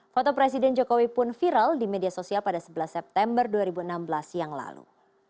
foto presiden jokowi pun viral di media sosial pada sebelas september dua ribu enam belas yang lalu